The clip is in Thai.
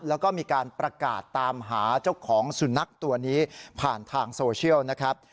แล้วก็มีการประกาศตามหาเจ้าของสุนัขตัวนี้ผ่านทางโซเชียลนะครับ